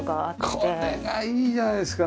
これがいいじゃないですか！